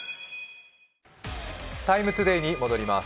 「ＴＩＭＥ，ＴＯＤＡＹ」に戻ります。